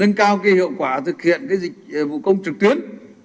nâng cao hiệu quả thực hiện dịch vụ công trực tuyến